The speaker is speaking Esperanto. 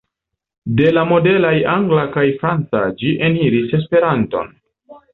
De la modernaj angla kaj franca ĝi eniris Esperanton.